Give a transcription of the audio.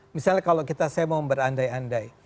misalnya kalau kita saya mau berandai andai